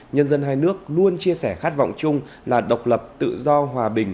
nhân dân hai nước luôn chia sẻ khát vọng chung là độc lập tự do hòa bình